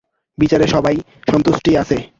বিচারে সবারই সন্তুষ্টি আছে।